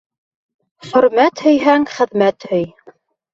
Хөрмәт һөйһәң, хеҙмәт һөй.